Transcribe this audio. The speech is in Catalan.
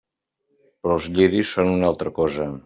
Però els lliris són una altra cosa.